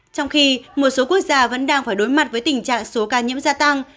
trong khi một số quốc gia vẫn đang phải đối mặt với tình trạng số ca nhiễm gia tăng